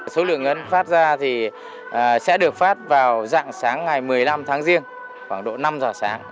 số lượng phát ra thì sẽ được phát vào dạng sáng ngày một mươi năm tháng riêng khoảng độ năm giờ sáng